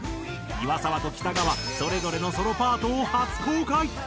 岩沢と北川それぞれのソロパートを初公開。